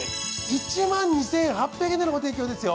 １２，８００円でのご提供ですよ。